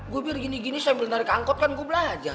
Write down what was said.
gue biar gini gini sambil narik angkot kan gue belajar